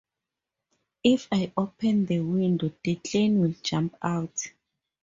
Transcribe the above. If I open the window, Declan will jump out.